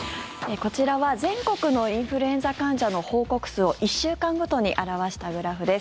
こちらは、全国のインフルエンザ患者の報告数を１週間ごとに表したグラフです。